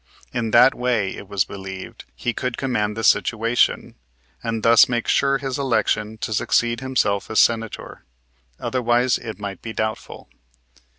In that way, it was believed, he could command the situation, and thus make sure his election to succeed himself as Senator; otherwise it might be doubtful.